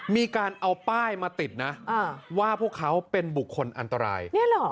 มีการเอาป้ายมาติดนะว่าพวกเขาเป็นบุคคลอันตราย